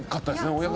親方